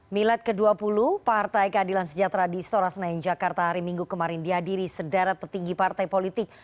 milad ke dua puluh partai keadilan sejahtera di istora senayan jakarta hari minggu kemarin dihadiri sederet petinggi partai politik